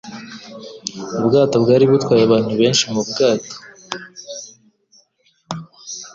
Ubwato bwari butwaye abagenzi benshi mubwato.